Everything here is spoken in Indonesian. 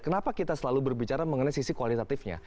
kenapa kita selalu berbicara mengenai sisi kualitatifnya